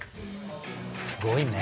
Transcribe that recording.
すごいね。